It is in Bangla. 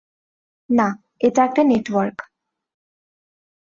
না, এটা একটা নেটওয়ার্ক।